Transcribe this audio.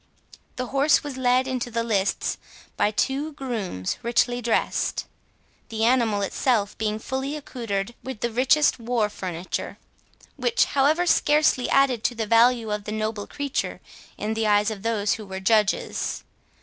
The horse was led into the lists by two grooms richly dressed, the animal itself being fully accoutred with the richest war furniture; which, however, scarcely added to the value of the noble creature in the eyes of those who were judges.